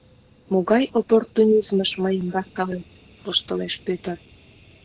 — Могай оппортунизмыш мыйым варкалет? — воштылеш Пӧтыр.